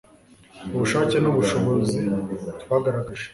ubushake n'ubushobozi twagaragaje